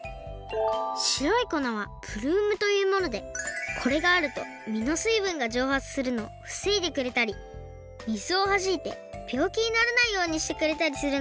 しろいこなはブルームというものでこれがあるとみのすいぶんがじょうはつするのをふせいでくれたり水をはじいてびょうきにならないようにしてくれたりするんですって。